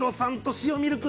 塩ミルク？